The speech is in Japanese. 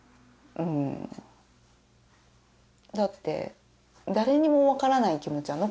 うんだって誰にもわからない気持ち